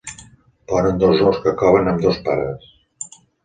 Ponen dos ous que coven ambdós pares.